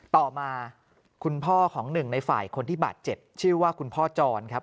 ต่อมาคุณพ่อของหนึ่งในฝ่ายคนที่บาดเจ็บชื่อว่าคุณพ่อจรครับ